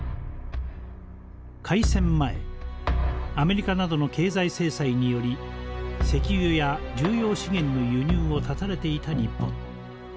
開戦前アメリカなどの経済制裁により石油や重要資源の輸入を絶たれていた日本。